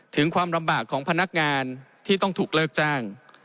ถึงความลำบากของพนักงานที่ต้องถูกเลิกจ้าง